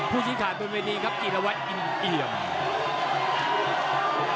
ผู้ชิงขาดตรงเวทีครับจิลวะอินเอียม